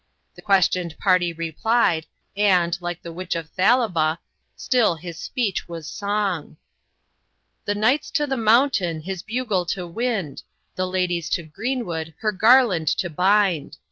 The questioned party replied, and, like the witch of Thalaba, 'still his speech was song,' The Knight's to the mountain His bugle to wind; The Lady's to greenwood Her garland to bind.